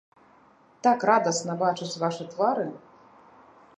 Так радасна бачыць вашы твары!